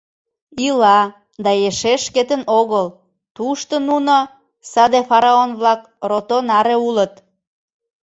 Ила, да эше шкетын огыл, тушто нуно, саде фараон-влак, рото наре улыт.